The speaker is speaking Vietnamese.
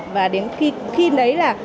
và đến khi đấy là